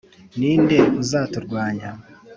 Ni nde uzaturwanya